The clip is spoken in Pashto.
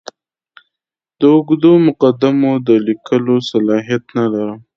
د اوږدو مقدمو د لیکلو صلاحیت نه لرم.